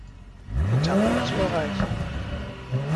Etappe zu erreichen.